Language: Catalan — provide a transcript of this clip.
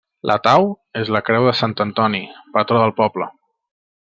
La tau és la creu de sant Antoni, patró del poble.